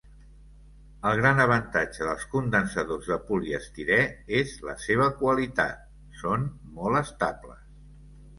El gran avantatge dels condensadors de poliestirè és la seva qualitat, són molt estables.